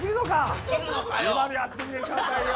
今のやってみてくださいよ。